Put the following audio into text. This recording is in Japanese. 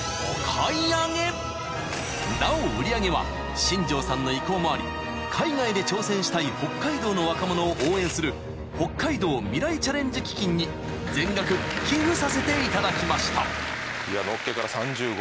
［なお売り上げは新庄さんの意向もあり海外で挑戦したい北海道の若者を応援する「ほっかいどう未来チャレンジ基金」に全額寄付させていただきました］